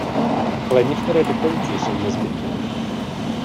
Ale některé doplňky jsou nezbytné.